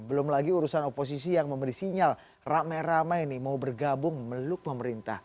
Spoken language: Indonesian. belum lagi urusan oposisi yang memberi sinyal rame rame ini mau bergabung meluk pemerintah